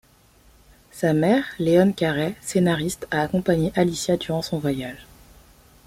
Sa mère, Leone Carey, scénariste, a accompagné Alycia durant son voyage.